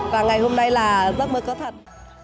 và ngày hôm nay là giấc mơ có thật